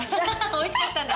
おいしかったんだ。